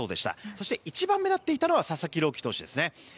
そして、一番目立っていたのは佐々木朗希投手ですね。